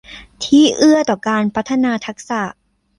ที่เอื้อต่อการพัฒนาทักษะ